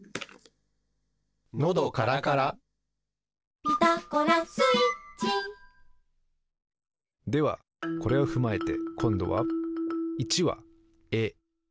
のどからから「ピタゴラスイッチ」ではこれをふまえてこんどは１は「え」